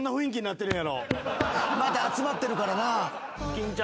また集まってるからな。